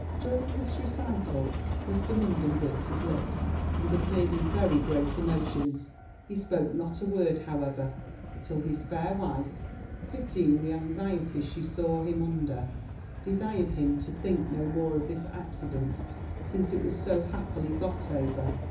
During this recital, Mr. Munden bit his lips, and appeared in very great emotions. He spoke not a word, however, till his fair wife, pitying the anxieties she saw him under, desired him to think no more of this accident, since it was so happily got over.